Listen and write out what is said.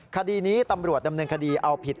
คดีนี้ตำรวจดำเนินคดีเอาผิด